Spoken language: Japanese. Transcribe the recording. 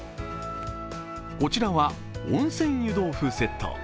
こちらは温泉湯豆腐セット。